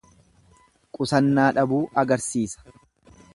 Qusannaa dhabuu agarsiisa.